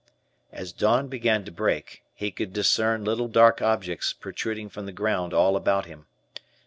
As dawn began to break, he could discern little dark objects protruding from the ground all about him.